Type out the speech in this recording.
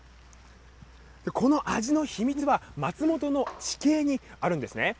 この味の秘密は、松本の地形にあるんですね。